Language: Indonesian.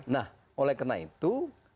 nah oleh karena itu